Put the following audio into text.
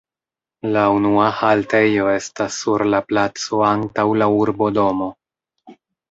La unua haltejo estas sur la placo antaŭ la urbodomo.